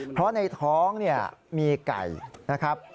เพราะในท้องเนี่ยมีไก่นะครับ